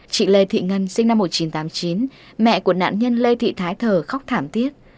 chị lê thị ngân sinh năm một nghìn chín trăm tám mươi chín mẹ của nạn nhân lê thị thái thờ khóc thảm thiết